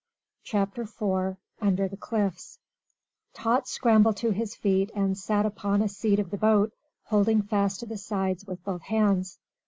CHAPTER 4 UNDER THE CLIFFS Tot scrambled to his feet and sat upon a seat of the boat, holding fast to the sides with both hands.